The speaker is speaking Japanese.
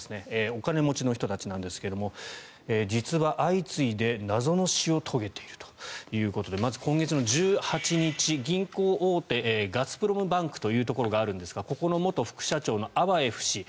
お金持ちの人たちですが実は相次いで謎の死を遂げているということでまず今月の１８日、銀行大手ガスプロムバンクというところがあるんですがここの元副社長のアバエフ氏。